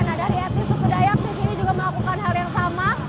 nah dari etnis suku dayakti sini juga melakukan hal yang sama